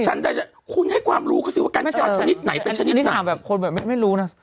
ฉันจะจะคุณให้ความรู้กันสิว่ากัญชาชนิดไหนเป็นชนิดไหนอันนี้ถามแบบคนแบบไม่ไม่รู้น่ะ